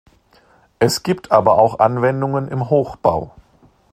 Es gibt aber auch Anwendungen im Hochbau.